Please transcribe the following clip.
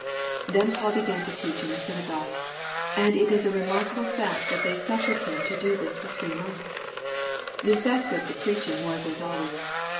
Then Paul began to teach in the synagogue, and it is a remarkable fact that they suffered him to do this for three months. The effect of the preaching was as always.